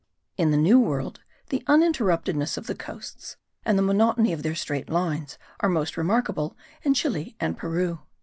In the New World the uninterruptedness of the coasts and the monotony of their straight lines are most remarkable in Chili and Peru.